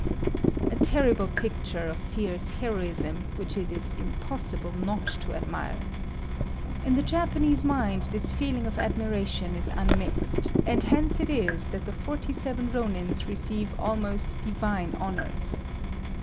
A terrible picture of fierce heroism which it is impossible not to admire. In the Japanese mind this feeling of admiration is unmixed, and hence it is that the forty seven Rônins receive almost divine honours.